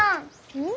うん？